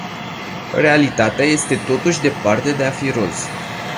Realitatea este totuși departe de a fi roz.